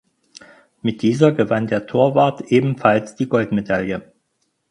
Mit dieser gewann der Torwart ebenfalls die Goldmedaille.